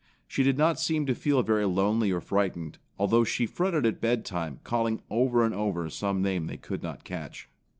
She did not seem to feel very lonely or frightened, although she fretted at bed time, calling over and over some name they could not catch.